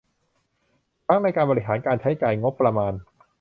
ทั้งในการบริหาร การใช้จ่ายงบประมาน